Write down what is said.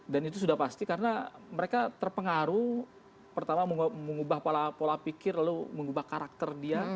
dan itu sudah pasti karena mereka terpengaruh pertama mengubah pola pikir lalu mengubah karakter dia